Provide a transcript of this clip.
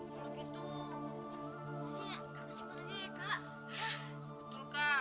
kalau gitu uangnya kakak simpen aja ya kak